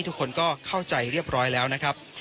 ทุกคนก็เข้าใจเรียบร้อยแล้วนะครับ